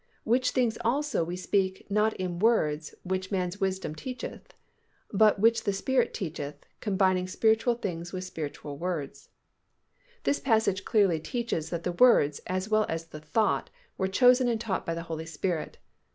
"Which things also we speak not in words which man's wisdom teacheth, but which the Spirit teacheth combining spiritual things with spiritual words." This passage clearly teaches that the words, as well as the thought, were chosen and taught by the Holy Spirit.